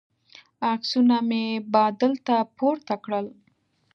عکسونه مې بادل ته پورته کړل.